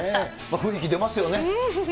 雰囲気出ますよね。